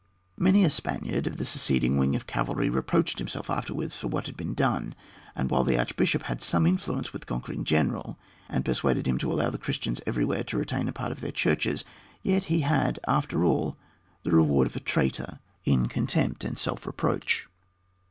Many a Spaniard of the seceding wing of cavalry reproached himself afterwards for what had been done; and while the archbishop had some influence with the conquering general and persuaded him to allow the Christians everywhere to retain a part of their churches, yet he had, after all, the reward of a traitor in contempt and self reproach.